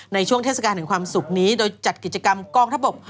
ในช่วงเทศกาลถึงความสุขนี้โดยจัดกิจกรรมกองทัพบก